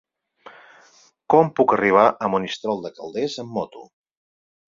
Com puc arribar a Monistrol de Calders amb moto?